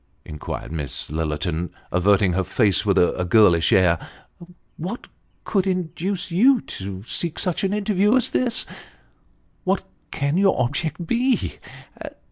" inquired Miss Lillerton, averting her face, with a girlish air, " what could induce you to seek such an interview as this ? What can your object be